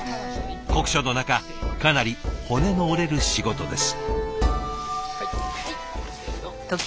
酷暑の中かなり骨の折れる仕事です。